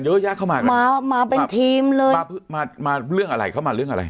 เยอะแยะเข้ามามาเป็นทีมเลยมามาเรื่องอะไรเข้ามาเรื่องอะไร